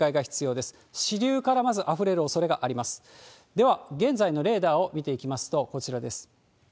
では、現在のレーダーを見ていきますと、こちらです。